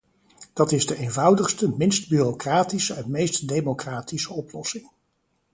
Dat is de eenvoudigste, minst bureaucratische en meest democratische oplossing.